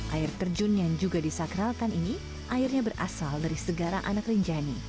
air terjun yang juga disakralkan ini airnya berasal dari segara anak rinjani